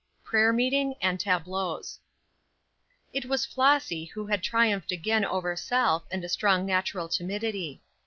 PRAYER MEETING AND TABLEAUX. IT was Flossy who had triumphed again over self and a strong natural timidity.